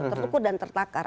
terukur dan tertakar